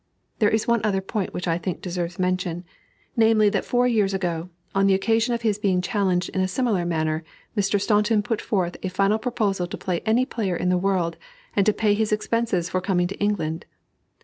There is one other point which I think deserves mention, namely that four years ago, on the occasion of his being challenged in a similar manner, Mr. Staunton put forth a final proposal to play any player in the world, and to pay his expenses for coming to England.